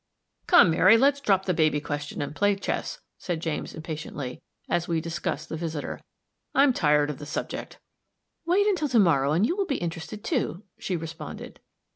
"Come, Mary, let's drop the baby question, and play chess," said James, impatiently, as we discussed the visitor; "I'm tired of the subject." "Wait until to morrow, and you will become interested too," she responded.